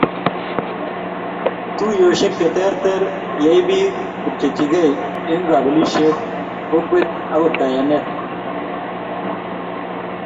Tuyosiek che terter kiyai biik kopcheikey eng kabilesiek, kokwet ak akot kayanet